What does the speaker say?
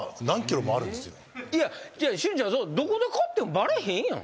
いや俊ちゃんどこで買ってもバレへんやん。